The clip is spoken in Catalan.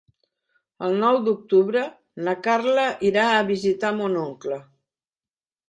El nou d'octubre na Carla irà a visitar mon oncle.